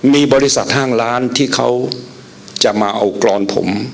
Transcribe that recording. มีบริษัทห้างล้านที่เขาจะมาเอากรอนผม